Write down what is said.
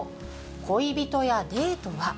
恋人やデートは？